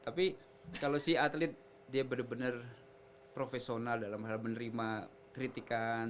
tapi kalau si atlet dia benar benar profesional dalam hal menerima kritikan